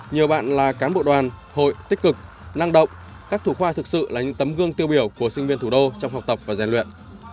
nhiều bạn là cán bộ đoàn hội tích cực năng động các thủ khoa thực sự là những tấm gương tiêu biểu của sinh viên thủ đô trong học tập và rèn luyện